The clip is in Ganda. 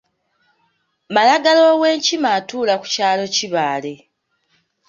Malagala ow’enkima atuula ku kyalo Kibaale.